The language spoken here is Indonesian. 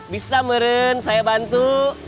bisa meren saya bantu